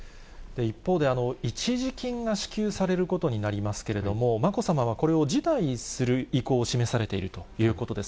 一方で、一時金が支給されることになりますけれども、まこさまは、これを辞退する意向を示されているということです。